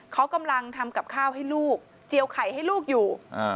เขากำลังทำกับข้าวให้ลูกเจียวไข่ให้ลูกอยู่